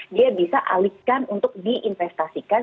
dia bisa alihkan untuk diinvestasikan